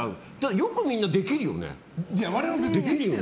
よくみんな、できるよね？